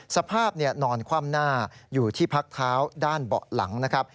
สภาพนอนคว่ำหน้าอยู่ที่พักเท้าด้านเบาะหลังนะครับ